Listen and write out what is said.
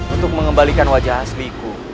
untuk mengembalikan wajah aku